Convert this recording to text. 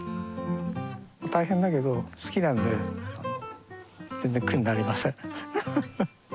大変だけど好きなんで全然苦になりません。